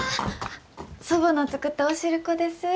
祖母の作ったお汁粉です。